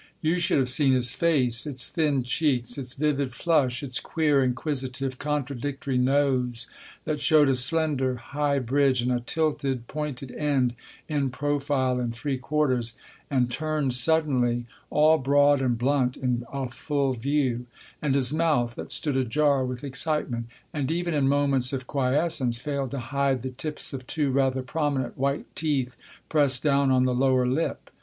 You should have seen his face, its thin cheeks, its vivid flush, its queer, inquisitive, contradictory nose that showed a slender, high bridge and a tilted, pointed end in profile and three quarters, and turned suddenly all broad and blunt in a full view; and his mouth that stood ajar with excite ment, and even in moments of quiescence failed to hide the tips of two rather prominent white teeth pressed down on the lower lip.